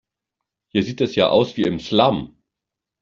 Hier sieht es ja aus wie im Slum.